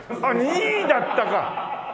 ２位だったか！